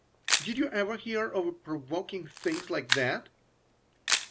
Did you ever hear of a provoking thing like that?"